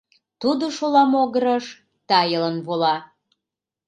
Тудо шола могырыш тайылын вола.